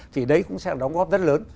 thì đấy cũng sẽ là đóng góp rất lớn